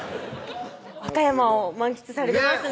和歌山を満喫されてますね